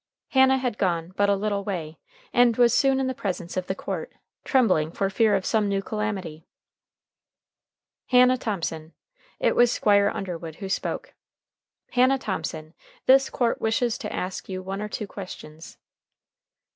Hannah had gone but a little way, and was soon in the presence of the court, trembling for fear of some new calamity. "Hannah Thomson" it was Squire Underwood who spoke "Hannah Thomson, this court wishes to ask you one or two questions."